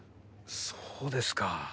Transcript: そうですか。